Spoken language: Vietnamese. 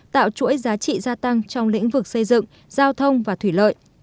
tạo chuỗi giá trị gia tăng trong lĩnh vực xây dựng giao thông và thủy lợi